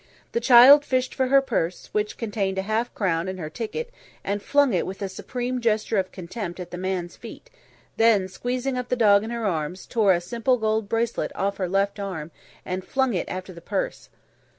The child fished for her purse, which, contained half a crown and her ticket, and flung it with a supreme gesture of contempt at the man's feet; then, squeezing up the dog in her arms, tore a simple gold bracelet off her left arm and flung it after the purse.